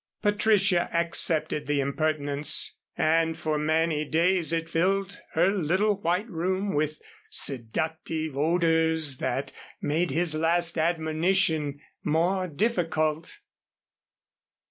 Patricia accepted the impertinence; and for many days it filled her little white room with seductive odors that made his last admonition more difficult.